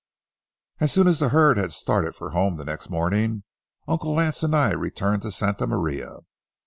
As soon as the herd had started for home the next morning, Uncle Lance and I returned to Santa Maria.